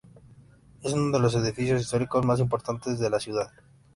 Es uno de los edificios históricos más importantes de la ciudad.